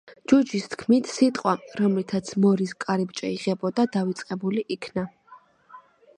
ჯუჯის თქმით, სიტყვა, რომლითაც მორიის კარიბჭე იღებოდა დავიწყებული იქნა.